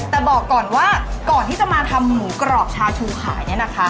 แต่บอกก่อนว่าก่อนที่จะมาทำหมูกรอบชาชูขายเนี่ยนะคะ